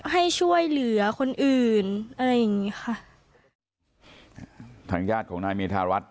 ให้ช่วยเหลือคนอื่นอะไรอย่างงี้ค่ะทางญาติของนายเมธารัฐ